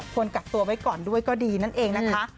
ควรกักตัวไว้ก่อนด้วยก็ดีนั่นเองนะคะ